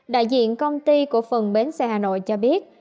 đại diện công ty của phần bến xe hà nội cho biết